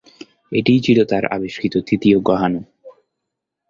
এটিই ছিল তাঁর আবিষ্কৃত তৃতীয় গ্রহাণু।